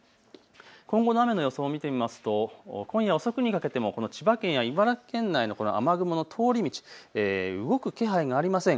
今後の雨の予想、見てみますと今夜遅くにかけても千葉県や茨城県内のこの雨雲の通り道、動く気配がありません。